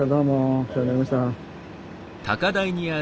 お世話になりました。